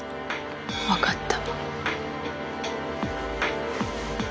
分かった。